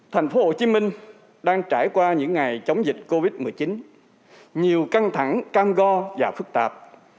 thành phố hồ chí minh đang trải qua những ngày chống dịch covid một mươi chín nhiều căng thẳng cam go và phức tạp